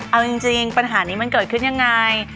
เอาจริงปัญหานี้มันเกิดขึ้นยังไง